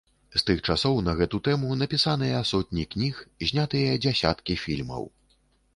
З тых часоў на гэту тэму напісаныя сотні кніг, знятыя дзясяткі фільмаў.